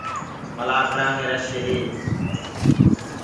مَلآکڙآ مينٚ رش هي۔